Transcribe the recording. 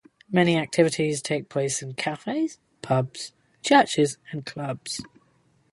Many activities take place in cafes, pubs, churches, and clubs.